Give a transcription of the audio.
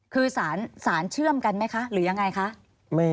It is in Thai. คือสารเชื่อมกันไหมคะหรือยังไงคะ